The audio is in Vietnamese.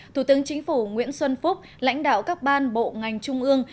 thủ tướng chính phủ nguyễn xuân phúc lãnh đạo các ban bộ ngành trung ương